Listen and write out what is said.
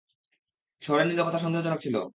শহরের নীরবতা সন্দেহজনক ছিল।